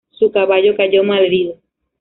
Su caballo cayó malherido.